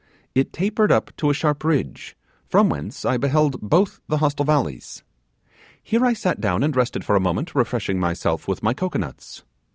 It tapered to a sharp ridge, from whence I beheld both the hostile valleys. Here I sat down and rested for a moment, refreshing myself with my cocoanuts.